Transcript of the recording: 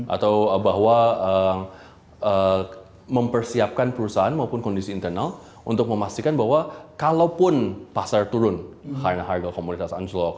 atau bahwa mempersiapkan perusahaan maupun kondisi internal untuk memastikan bahwa kalaupun pasar turun karena harga komoditas anjlok